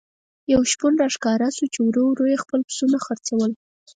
یو شپون را ښکاره شو چې ورو ورو یې خپل پسونه څرول.